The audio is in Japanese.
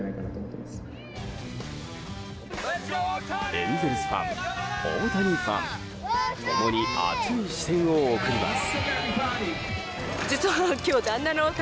エンゼルスファン、大谷ファン共に熱い視線を送ります。